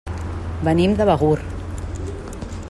Venim de Begur.